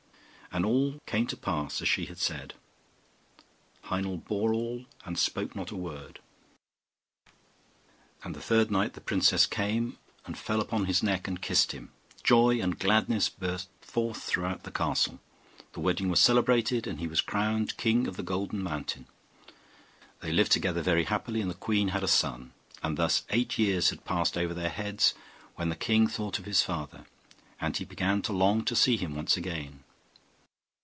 And all came to pass as she had said; Heinel bore all, and spoke not a word; and the third night the princess came, and fell on his neck and kissed him. Joy and gladness burst forth throughout the castle, the wedding was celebrated, and he was crowned king of the Golden Mountain. They lived together very happily, and the queen had a son. And thus eight years had passed over their heads, when the king thought of his father; and he began to long to see him once again.